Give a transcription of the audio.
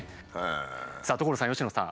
さあ所さん佳乃さん。